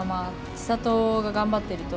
千怜が頑張ってると、